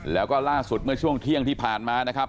แล้วก็ล่าสุดเมื่อช่วงเที่ยงที่ผ่านมานะครับ